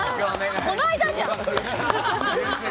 この間じゃん！